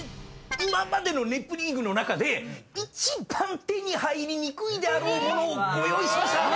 今までの『ネプリーグ』の中で一番手に入りにくいであろう物をご用意しました！